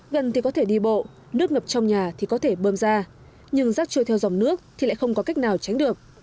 gần thì có thể đi bộ nước ngập trong nhà thì có thể bơm ra nhưng rác trôi theo dòng nước thì lại không có cách nào tránh được